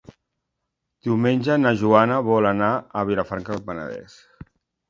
Diumenge na Joana vol anar a Vilafranca del Penedès.